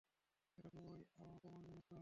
এটা খুবই অপমানজনক কাজ।